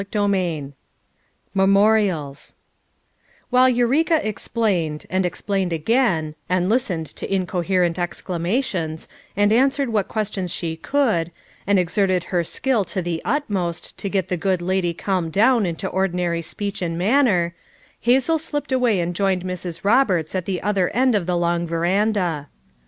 CHAPTER XXVH MEMORIALS While Eureka explained, and explained again, and listened to incoherent exclamations, and answered what questions she could, and ex erted her skill to the utmost to get the good lady calmed down into ordinary speech and manner, Hazel slipped away and joined Mrs. Boberts at the other end of the long veranda.